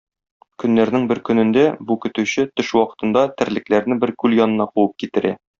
Көннәрнең бер көнендә бу көтүче төш вакытында терлекләрне бер күл янына куып китерә.